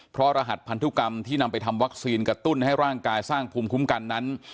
เพราะรหัสพันธุกรรมที่นำไปทำวัคซีนกระตุ้นให้ร่างกายสร้างภูมิคุ้มกันนั้น